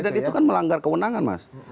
dan itu kan melanggar kewenangan mas